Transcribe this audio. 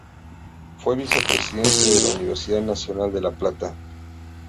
Fue vicepresidente de la Universidad Nacional de La Plata.